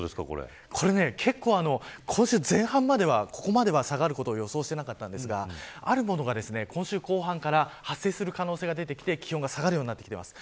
今週前半までは、ここまでは下がることは予想していなかったんですがあるものが今週後半から発生する可能性が出てきて気温が下がるようになってきています。